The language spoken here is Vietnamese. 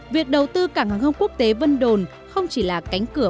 việc đầu tư cảng hàng không quốc tế vân đồn không chỉ là cánh cửa